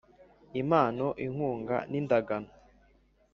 Impano Inkunga n indagano